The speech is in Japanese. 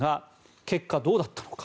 結果、どうだったのか。